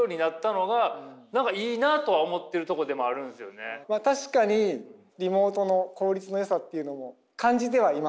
それが今ってまあ確かにリモートの効率のよさっていうのも感じてはいます。